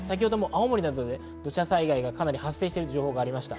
青森などで土砂災害がかなり発生しているという情報が出ました。